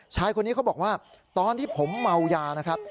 ชายคนนี้เขาบอกว่าตอนที่ผมเมายานะครับ